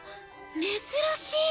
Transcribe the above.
珍しい！